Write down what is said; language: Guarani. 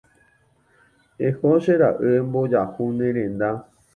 Eho che ra'y embojahu ne renda.